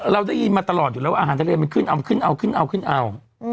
เราได้ยินมาตลอดอยู่แล้วว่าอาหารทะเลมันขึ้นเอา